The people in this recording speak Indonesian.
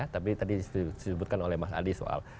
tapi tadi disebutkan oleh mas adi soal